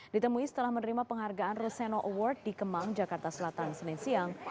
ditemui setelah menerima penghargaan roseno award di kemang jakarta selatan senin siang